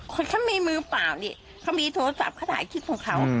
เขามีมือเปล่านี่เขามีโทรศัพท์เขาถ่ายคลิปของเขา